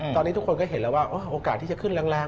ตอนนี้ทุกคนก็เห็นแล้วว่าโอกาสที่จะขึ้นแรง